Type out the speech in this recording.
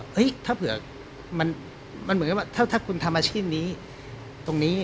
ถ้าเผื่อมันเหมือนกับว่าถ้าคุณทำอาชีพนี้ตรงนี้